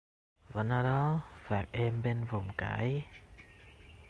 Vẫn ở đó, vạt êm bên vồng cải